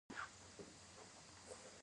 پښتو خدمت ته اړتیا لری